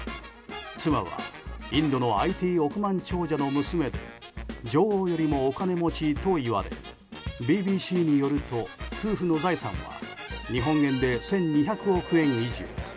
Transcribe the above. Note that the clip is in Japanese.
妻はインドのＩＴ億万長者の娘で女王よりもお金持ちといわれＢＢＣによると、夫婦の財産は日本円で１２００億円以上。